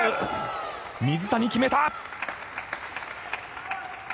水谷、決めた！